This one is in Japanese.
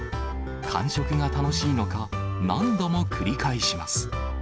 感触が楽しいのか、何度も繰り返します。